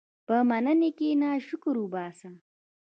په مننې کښېنه، شکر وباسه.